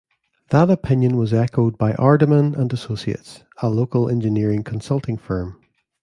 That opinion was echoed by Ardaman and Associates, a local engineering consulting firm.